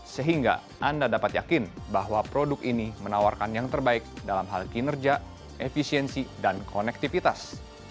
sehingga anda dapat yakin bahwa produk ini menawarkan yang terbaik dalam hal kinerja efisiensi dan konektivitas